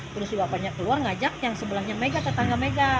terus bapaknya keluar ngajak yang sebelahnya mega tetangga mega